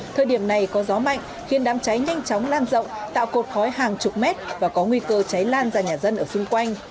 thời điểm này có gió mạnh khiến đám cháy nhanh chóng lan rộng tạo cột khói hàng chục mét và có nguy cơ cháy lan ra nhà dân ở xung quanh